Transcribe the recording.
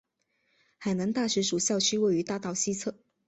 海南大学主校区位于大道西侧。